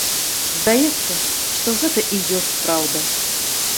Здаецца, што гэта і ёсць праўда.